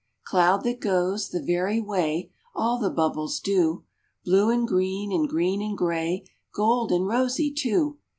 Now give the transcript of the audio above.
Cloud that goes, the very way All the Bubbles do: Blue and green, and green and gray, Gold and rosy, too.